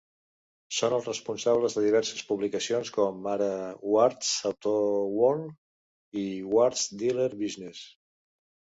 Són els responsables de diverses publicacions, com ara Ward's AutoWorld i Ward's Dealer Business.